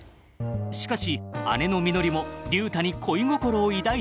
しかし姉のみのりも竜太に恋心を抱いていて。